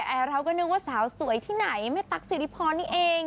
แต่เราก็นึกว่าสาวสวยที่ไหนแม่ตั๊กสิริพรนี่เอง